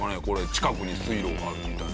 近くに水路があるみたいな。